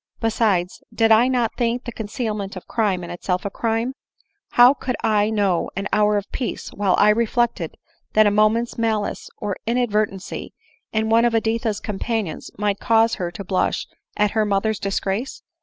Besides, did I not think the concealment of crime in itself a crime, how could I know an hour of peace while I reflected that a moment's malice, or inadvertency, in one of Editha's companions might cause her to blush at her mother's dis grace